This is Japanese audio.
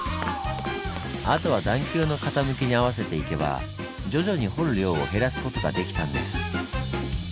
あとは段丘の傾きに合わせていけば徐々に掘る量を減らすことができたんです。